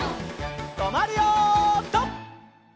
とまるよピタ！